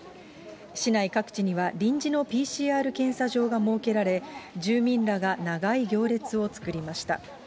市内各地には臨時のＰＣＲ検査場が設けられ、住民らが長い行列を作りました。